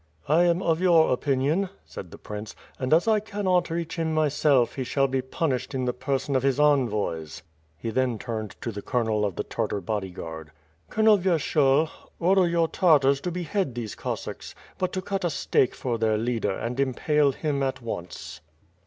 "I am of your opiniion," said the prince, "and as I cannot reach him myself, he shall be punished in the person of his envoys." He then turned to the Colonel of the Tartar bodyguard. "Colonel Vyershul, order your Tartars ta behead these Cossacks; but to cut a stake for their leader and impale him at once."